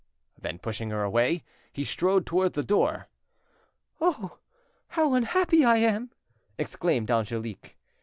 Then pushing her away, he strode towards the door. "Oh! how unhappy I am!" exclaimed Angelique.